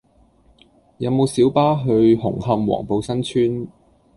有無小巴去紅磡黃埔新邨